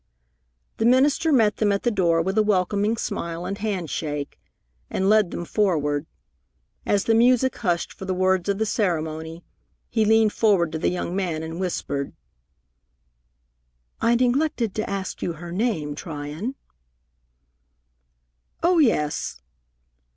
The minister met them at the door with a welcoming smile and hand shake, and led them forward. As the music hushed for the words of the ceremony, he leaned forward to the young man and whispered: "I neglected to ask you her name, Tryon." "Oh, yes."